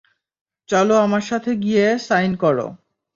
চলো আমার সাথে গিয়ে সাইন করো।